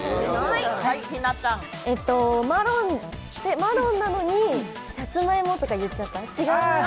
マロンなのに、さつまいもとか言っちゃった。